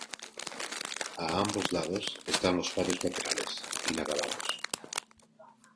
A ambos lados están los patios laterales, inacabados.